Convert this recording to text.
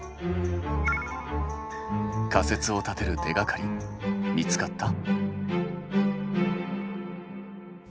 仮説を立てる手がかり見つかった？